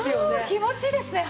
気持ちいいですね